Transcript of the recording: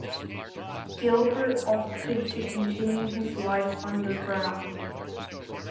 Gilbert opted to continue his life underground.